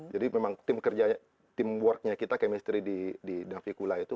jadi memang tim kerja teamworknya kita chemistry di davikula itu